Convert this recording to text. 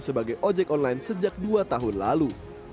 sebagai ojek online sejak dua tahun lalu